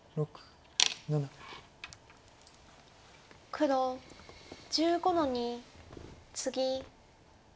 黒１５の二ツギ。